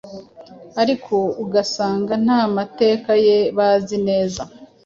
ariko ugasanga nta mateka ye bazi neza